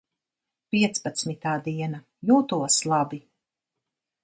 Piecpadsmitā diena. jūtos labi.